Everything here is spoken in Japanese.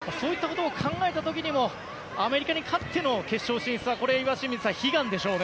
そういったことを考えた時にもアメリカに勝っての決勝進出は悲願でしょうね。